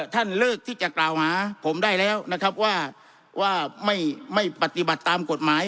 ท่านเลิกที่จะกล่าวหาผมได้แล้วนะครับว่าไม่ปฏิบัติตามกฎหมาย